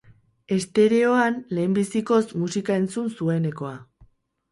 Estereoan lehenbizikoz musika entzun zuenekoa.